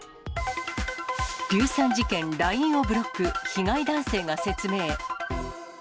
硫酸事件、ＬＩＮＥをブロック、被害男性が説明。